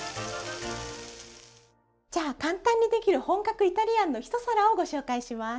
じゃあ簡単にできる本格イタリアンの一皿をご紹介します。